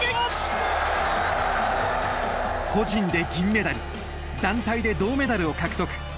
個人で銀メダル団体で銅メダルを獲得。